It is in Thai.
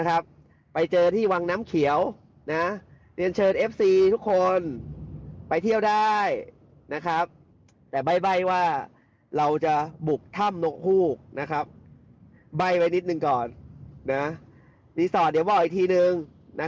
รีสอร์ตเดี๋ยวบอกอีกทีหนึ่ง